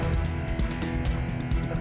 tidak ada foto